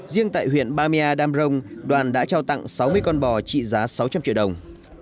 riêng tại huyện bà mi a đam rông đoàn đã trao tặng sáu mươi con bò trị giá sáu trăm linh triệu đồng